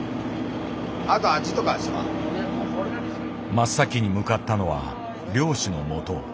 真っ先に向かったのは漁師のもと。